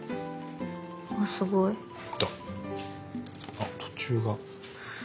あっ途中が。